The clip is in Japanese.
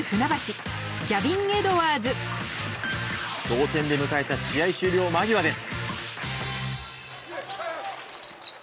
同点で迎えた試合終了間際です。